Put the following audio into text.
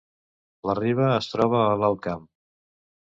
La Riba es troba a l’Alt Camp